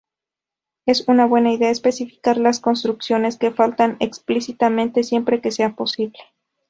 Es una buena idea especificar las construcciones que faltan explícitamente siempre que sea posible.